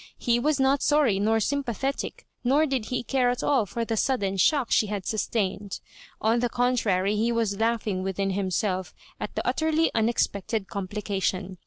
He was not sorry nor sympathetic, nor did he care at all for the sudden shock she had sustained. On the contrary, he was laughing within himself at the utterly unexpected complication.